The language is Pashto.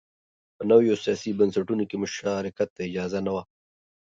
په نویو سیاسي بنسټونو کې مشارکت ته اجازه نه وه